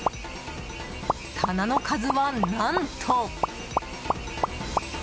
棚の数は何と。